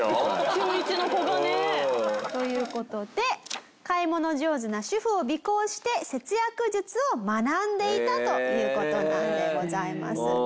中１の子がね。という事で買い物上手な主婦を尾行して節約術を学んでいたという事なんでございます。